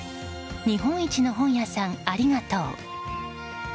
日本一の本屋さん、ありがとう。